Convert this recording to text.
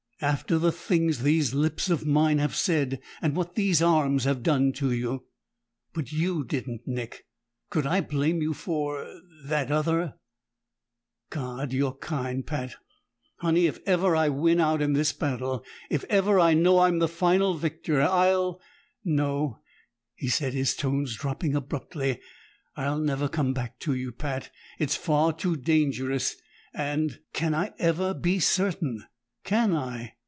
"After the things these lips of mine have said, and what these arms have done to you?" "But you didn't, Nick! Could I blame you for that other?" "God! You're kind, Pat! Honey, if ever I win out in this battle, if ever I know I'm the final victor, I'll No," he said his tones dropping abruptly. "I'll never come back to you, Pat. It's far too dangerous, and can I ever be certain? Can I?"